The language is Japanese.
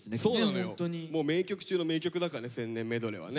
もう名曲中の名曲だからね「千年メドレー」はね。